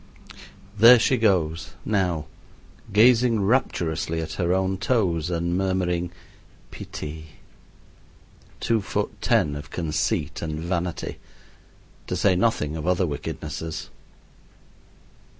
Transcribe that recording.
There she goes, now, gazing rapturously at her own toes and murmuring "pittie" two foot ten of conceit and vanity, to say nothing of other wickednesses.